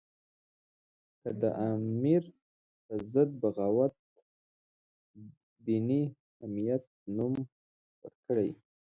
که د امیر په ضد بغاوت ته دیني حمیت نوم ورکړو.